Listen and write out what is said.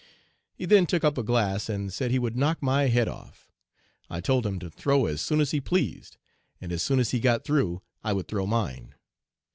He then took up a glass and said he would knock my head off. I told him to throw as soon as he pleased, and as soon as he got through I would throw mine.